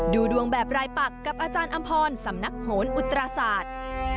ดูดวงแบบรายปักกับอาจารย์อำพรสำนักโหนอุตราศาสตร์